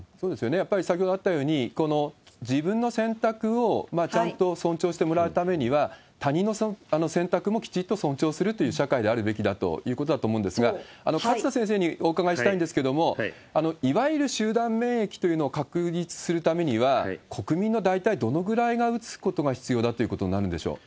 やっぱり先ほどあったように、自分の選択をちゃんと尊重してもらうためには、他人の選択もきちっと尊重するという社会であるべきだということだと思うんですが、勝田先生にお伺いしたいんですけれども、いわゆる集団免疫というのを確立するためには、国民の大体どのぐらいが打つことが必要だということになるんでしょう？